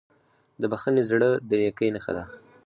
د بښنې زړه د نیکۍ نښه ده.